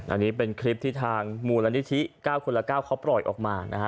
อันนี้เป็นคลิปที่ทางมูลนิธิ๙คนละ๙เขาปล่อยออกมานะฮะ